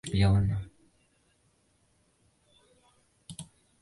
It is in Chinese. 此外博登湖湖畔和高莱茵河河谷也比较温暖。